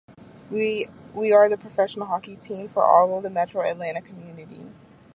We are the professional hockey team for all of the metro Atlanta community.